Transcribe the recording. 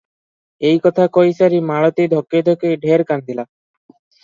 ଏଇ କଥା କହି ସାରି ମାଳତୀ ଧକେଇ ଧକେଇ ଢେର କାନ୍ଦିଲା ।